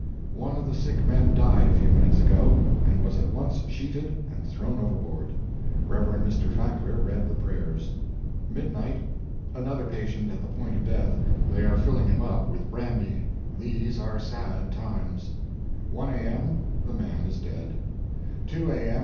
—One of the sick men died a few minutes ago, and was at once sheeted and thrown overboard. Rev. Mr. Fackler read the prayers." "MIDNIGHT.—Another patient at the point of death—they are filling him up with brandy. These are sad times." "1 A.M.—The man is dead." "2 A.M.